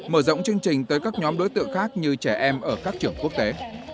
mở rộng chương trình tới các nhóm đối tượng khác như trẻ em ở các trường quốc tế